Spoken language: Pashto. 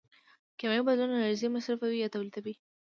کیمیاوي بدلون انرژي مصرفوي یا تولیدوي.